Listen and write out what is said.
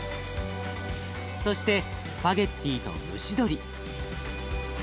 そしてスパゲッティと蒸し鶏。